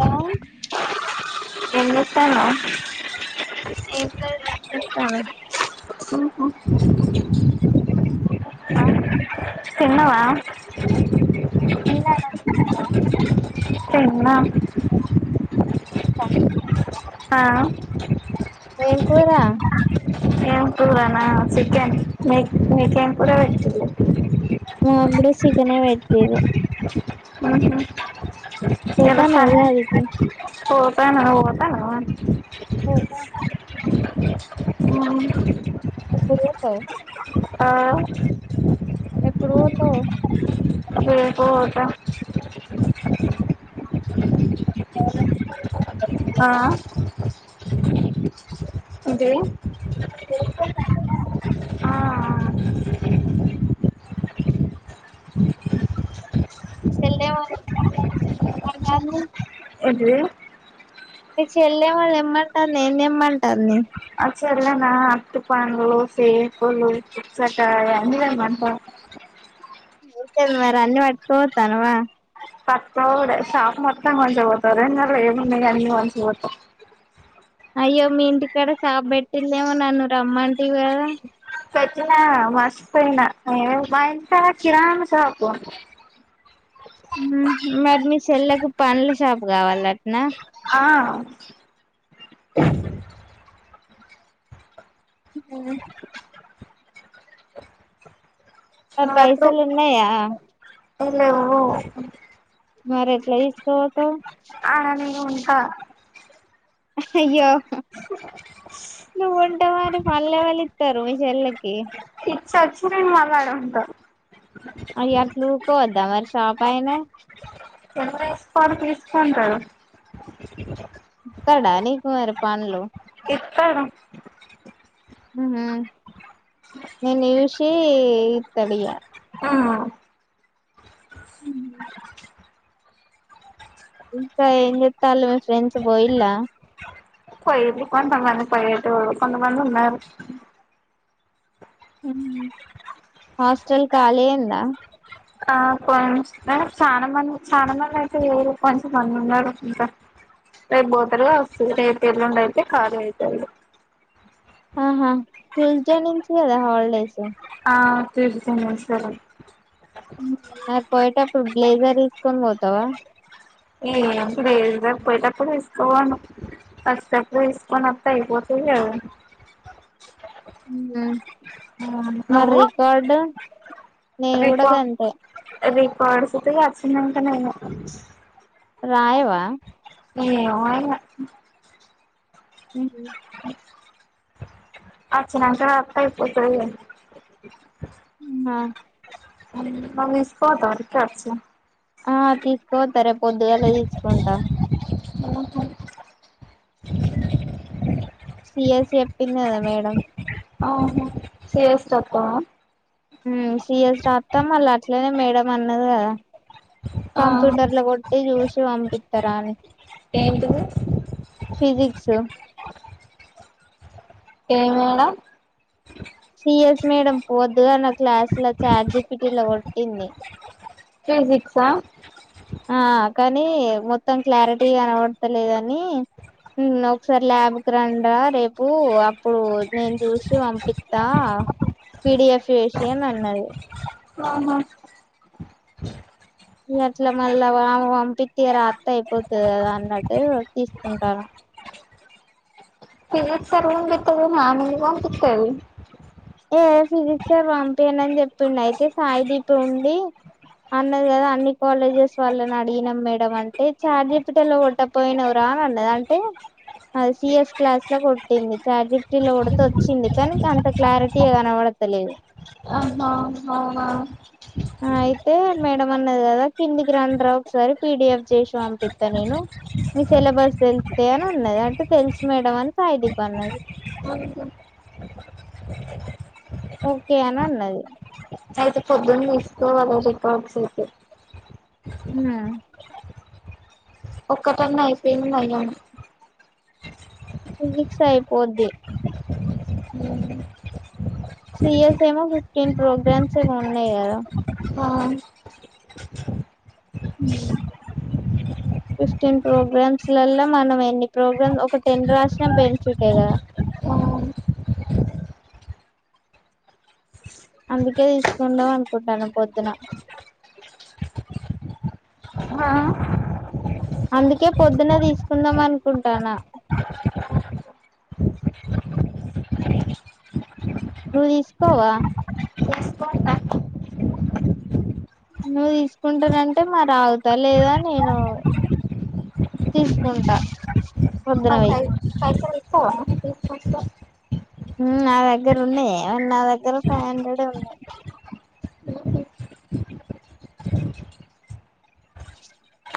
Hello ఏం చేస్తాన్నావు ఏం లేదు ఏం చేస్తున్నావ్ [unintelligible] ఇంకా తినవా? తిన్నామ్ థాంక్యూ ఆ ఏం కూరా ఏం కూరనా చికెన్ మీక్ మీకేం కూర వెట్టిల్లు మాకు కూడ చికనే వే టెరు ఉమ్ హూ పోతాను వ్యవసాయం ఉగాదికి పోతన్నా నువ్వు పోతన్నావా పోతాన్నా హామ్ ఎప్పుడు పోతావు ఆ పోతావ్ రేపు పోత అవునా ఆ ఏంటిది అ ఆ మీ చెల్లే ఏమో తెమ్మంటాది ఏమ్ తెమ్మంటాది ఏంటిది మీ చెల్లే ఏమో తెమ్మంటాది ఏమ్ తెమ్మంటాది చెల్లే నా అరిటి పండ్లు సేపులు పుచ్చకాయ అన్నీ తెమ్మంటాది ఇంకేంది మరి అన్ని పట్టుకపోతానవ పట్క పోవుడే షాప్ మొత్తం కొంచపోత వరంగల్లుల ఏమున్న అన్నీ కొంచపోతం అయ్యో మీ ఇంటికాడ షాప్ పెట్టిలేమో నన్ను రమ్మ పెట్టినా మార్షి పోయిన మా ఇంటి కాడా కిరాణ షాపు మరి మీ చెల్లకు పండ్ల షాపు కావాలట్న ఆ [inaudible] హు పైసలు ఉన్నాయా లెవ్వు మరి ఎట్లా తిస్ ఆడ నేను ఉంటా అయ్యో నువ్వుం ఉంటే పండ్లు ఎవలు ఇత్తరు మీ చెల్లకి ఇచ్చొచ్చి నేను మల్ల ఆడ ఉంటా అయ్యో అట్లుకోవద్ద మరీ షాపు అయినా తీసుకొని తీసుకుంటారు ఇస్తాడా నీకు మరి పండ్లు ఇత్తడు హుమ్ నిన్ను చూసి ఇత్తడిగా ఉ హు ఇంకా ఏం జీతాళ్ళు మీ ఫ్రెండ్స్ పోయిల్ల పొయ్యిళ్ళు కొంతమంది పోయేటోరూ కొంతమంది ఉన్నారు హు హాస్టల్ కాళీ అయిందా ఆ కొంచ ఆ చాలా మంది చాలా మంది అయితే లేరు కొంచెం మంది ఉన్నారు ఇంకా రేపు పోతారు కావచ్చు రేపు ఎల్లుండి అయితే ఖాళీ అయితయి ఈగ. ఆహా ట్యూస్డే నుంచి కదా హాలిడేస్ హా తీసుకో మంచిదే కానీ [unintelligible] పోయేటప్పు ఇప్పుడు గ్లేజర్ తీసుకొని పోతావా ఏం ఏప్పుడు పోయటప్పుడు తీసుకపోను వచ్చేప్పుడు తీసుకోని వస్తే అయిపోతది కాదా. హు మరి నువ్వు రికార్డు నేను కూడా గంతే కోడ సీ వచ్చిందంట నేను రాయవా ఏమో ఇగ హు అచ్చినంక రాతేయ్ అయిపోతది ఇగ హా [unintelligible] ఆ తీసుకుపోతా పొద్దుగాల తీసుకుంటా [inaudible] సిఎస్ చెప్పింది కదామేడం హా సిఎస్ రాస్తావా హ్మ్మ్ సీఎస్ రాస్తా మళ్ళ అట్లనే మేడం [unintelligible] ఆ కంప్యూటర్ లో కొట్టి చూసి పంపిస్తారా అని ఏంటిది ఫిజిక్స్ [unintelligible] సిఎస్ మేడం పోదు నాకు క్లాస్ ల చార్జిపిటిటీ కొట్టు ఎన్ని ఫిజిక్సా ఆ కానీ మొత్తం క్లారిటీ కనబడతలేదని ఒకసారి ల్యాబ్కి రండరా రేపు ఇప్పుడు నేను చూసి పంపిస్తా పిడిఎఫ్ చేేషే అన్నది ఆహ అట్ల మళ్ళా పంపి తీర అత్త అయిపోతుంది కదా అన్నట్టు తీసుకుంటన ఫిజిక్స్ సర్ పంపితర్ కానీ ఆమె ఎందుకు పంపిస్తుంది ఏ ఫిజిక్స్ పంపిన అని చెప్పిండు అయితే సాయి దీపి ఉండి అన్నది కదా అన్ని కాలేజెస్ వాళ్లని అడిగినాం మేడమ్ అంటే చార్జిపిటీలో కొట్టపోయినవ రా అని అన్నది అంటే సిఎస్ క్లాస్ లో కొట్టింది చార్జిపిటీలో కొడితే వచ్చింది కానీ అంత క్లారిటీ. ఇక కనవడతలేదు అహ అయితే మేడమ్ అన్నది కదా కిందికి రండ్రా ఒకసారి పిడిఎఫ్ చేసి పంపిస్తా నేను మీ సిలబస్ తెలుస్తే అని ఉన్నది అంటే తెలుసు మేడమ్ అని సాయిదీప్ అన్నది ఓకే అని అన్నది అయితే పొద్దున్న తీసుకోవాలా రికార్డ్స్ అయితే [inaudible] ఒక్కటన్నా అయిపోయిన అయ్యాను ఫిజిక్స్ అయిపోద్ది సిఎస్ ఏమో ఫిఫ్టీన్ ప్రోగ్రామ్స్ ఏమో ఉన్నాయి కదా ఆ [inaudible] ఫిఫ్టీన్ ప్రోగ్రామ్స్ లల్లో మనం ఎన్ని ప్రోగ్రామ్ ఒక టెన్ రాసినా బెనిఫిటే కదా అందుకే తీసుకుందాం అనుకుంటాను పొద్దున ఆ అందుకే పొద్దున్న తీసుకుందాం అనుకుంటానా ను తీసుకోవా తీసుకుంటా నువ్వు తీసుకుంటానంటే మర ఆగుతా లేదా నేను తీసుకుంటా ఆ పొద్దునవి్యి పై [unintelligible] నా దగ్గర ఉన్నాయి ఏమన్న నా దగ్గర ఫైవ్ హండ్రెడ్ే ఉన్నాయి [inaudible]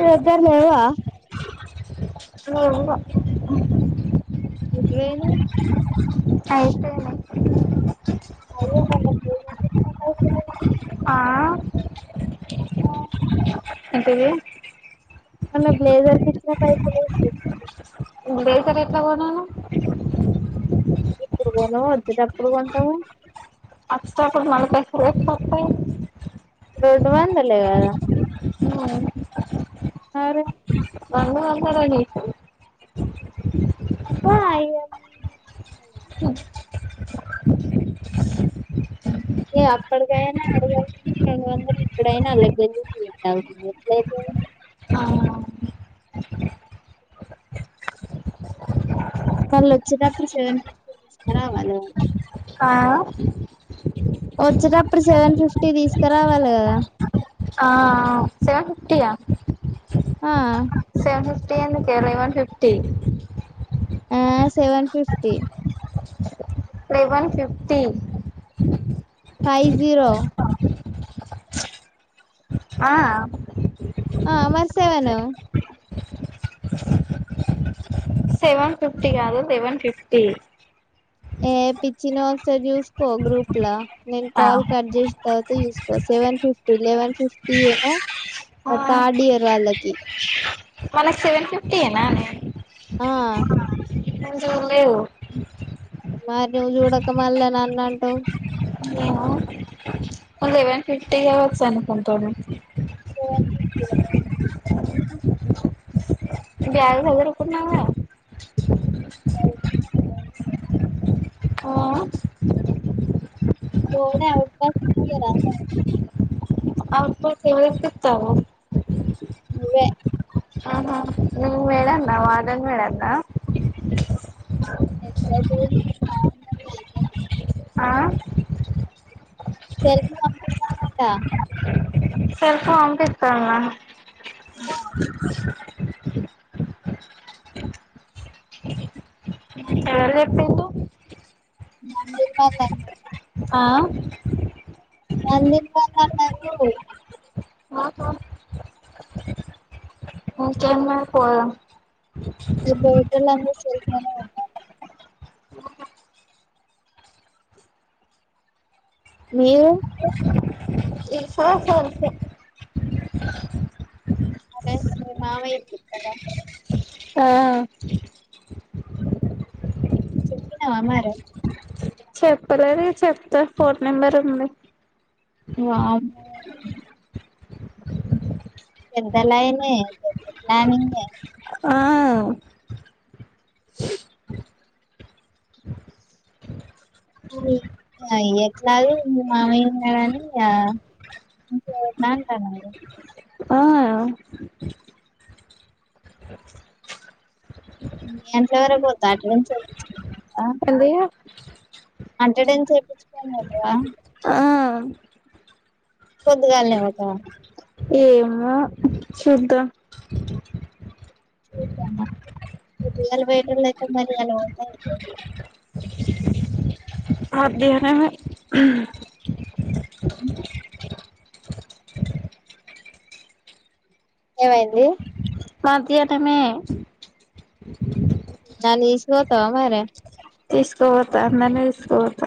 నీ దగ్గర లేవ లేవు ఇగ [unintelligible] అయితే ఆ [unintelligible] ఆ [unintelligible] మన బ్లేజర్కి ఇచ్చిన పైసలుం చేస్త దసర ఎట్లా కొన్నాను ఇప్పుడుదేను వద్దుట ఎప్పుడు కొంటావు అచ్చ కూడా నై రయి రోడ్డు వందల కా ఆరే వన్న అన్నడి బా అ ఏ అప్పటికైనా అడుగలుతుంది రెండు వందలు ఇప్పుడైనా అల్గ వెళ్ట్ అవుతుంది ఎట్లయితే మళ్ళు వచ్చేటప్పుడు సెవెన్ ఫిఫ్టీ తీసుార అవాల ఆ వచ్చేటప్పుడు సెవెన్ ఫిఫ్టీ తీసుకురావాలి కదా సెవెన్ ఫిఫ్టీయా ఆ కే వన్ ఫిఫ్టీ ఆ seven fifty eleven fifty five zero ఆ ఆ మరిసేవన సెవెన్ ఫిఫటీ కా అదా సెవెన్ ఫిఫటీ ఏ పిచ్చి నో అక్షర యూస్కో గ్రూప్ లా నేను ఆ కాల్ కట్ చేసిన తర్వాత ూ సెవెన్ ఫిఫ్టీ లెవెన్ ఫిఫ్టీ ఏమో థర్డ్ ఇయర్ వాళ్ళకి మన సెవెన్ ఫిఫటీనా ఆ చూడలేదు మరి నువ్వు చూడక మళ్ళా నన్నంటవ్ నను లెవెన్ ఫిఫ్టీ అవచ్చ అనుకుంటాడు టువల్ ఫిఫ్టీ అనుకుంట బ్యాగ్ సదురుకున్నావ్ గ మరీ ఓ పోవుడే అవుట్పాస్ అ అ సవత్త ను్వ్వ ఆహా నింగ్ మేడన్నా వారెడ్న్ మే డాన్నా ఎలాదని మీ మాంగాది [unintelligible] ఆ తెల్గు అంబృకన్నాట చెరుకు పంపిస్తన్నా ఎవరు చెప్పిల్లు నందిపన్నా ఆ నందిపన్న అన్నారు నాకా ఇంకేం మరి పోదాం ఈ బేటోలందరు సేఫగానే ఉన్నారు మీరు ఇఫా అరే మీ మామయ్యక్కిచాడా ఆ చెప్పినావా మరే చెప్పలేదే చెప్తా ఫోన్ నెంబర్ ఉంది వామ్మో అంతా నయమే ప్లానింగే ఆ ఆది లై ఎట్లాగో మీ మామయ్యన్నాడని ఇకా అంటా ఆ ఎంత వరకు పోతా అట్డ నుంచి చ ఏంది అంటడెన్స్ ఏపిచ్చుకోని పోతావా ఆ పొద్దిగాల్నే పోతావా ఏమో చూద్దాం చూద్దామా పొద్దిగాల బయటకి పోతే మరి ఈయాల వంటయ్యిద్దా అయిపో అధ్యన ఏమైంది కాంతీయటమే దాన్ని తీసుకు పోతావా మరి తీసుకుపోతా అందర్నీ తీసుకుపోతా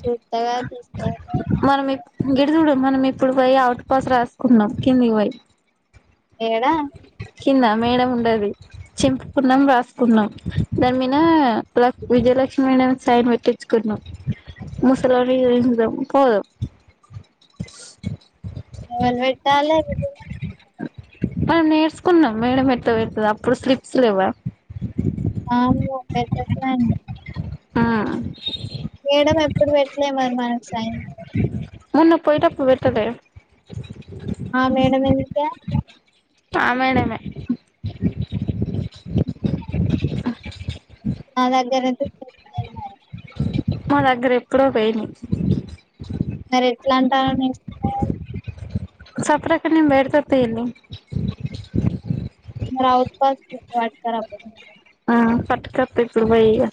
చూస్తగా చూస్త మనం గిడుచుడు మనం ఇప్పుడు పోయి అవుట్ పాస్ రాసుకుందాం కిందికి పోయి ఏడా కింద మేడం ఉంటది చింపుకున్నాం రాసుకున్నాం దాని మీద ల విజయలక్ష్మి అని సైన్ పెట్టించుకుందాం ముసలోల్లకి తెలీదు పోదాం ఎవరు బెట్టాలే మనం నేర్చుకుందాం మేడం ఎట్టా పెడతదో అప్పుడు స్లిప్స్ లేవ అమ్మో పెద్ద ప్లానే ఆ మేడం ఎప్పుడు పెట్టలే మరి మనకు సైన్ మొన్న పోయిప్పుడు పెట్టలే ఆ మేడంమ్ ఎంకా అమేనమె నా దగ్గరే మా దగ్గర ఎప్పుడో పోయినా మరి ఎట్లా అంటారో నేస్తున్నాని సఫరాక నిం బేర్తతి ఇలి రావుత్పాస్ వాకపోడు ఆ పట్ కప్పకులు వైగా